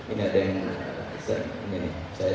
ini ada yang ini nih saya